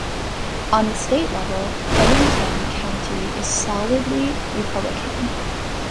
On the state level, Covington County is solidly Republican.